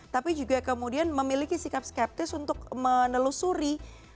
tapi juga kemudian memiliki sikap skeptis untuk menelusuri